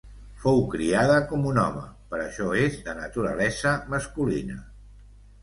Fou criada com un home, per això és de naturalesa masculina.